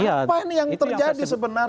apa ini yang terjadi sebenarnya